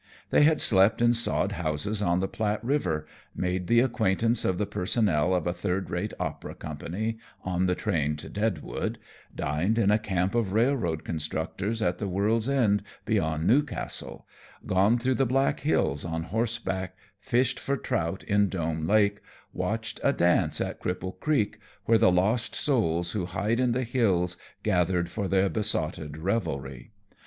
They had slept in sod houses on the Platte River, made the acquaintance of the personnel of a third rate opera company on the train to Deadwood, dined in a camp of railroad constructors at the world's end beyond New Castle, gone through the Black Hills on horseback, fished for trout in Dome Lake, watched a dance at Cripple Creek, where the lost souls who hide in the hills gathered for their besotted revelry.